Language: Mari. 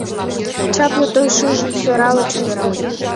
Чапле той шыжын сӧрале чодырам